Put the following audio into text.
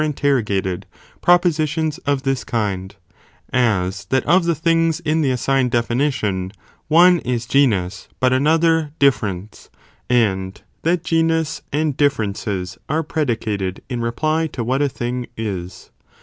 interrogated, propositions of this kind ; as that of the things in the assigned definition, one is genus, but another difference, and that genus and differences are predicated (in reply) to what a thing is.